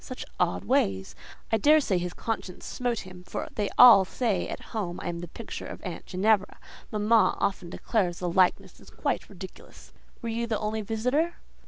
Such odd ways! I daresay his conscience smote him, for they all say at home I am the picture of aunt Ginevra. Mamma often declares the likeness is quite ridiculous." "Were you the only visitor?"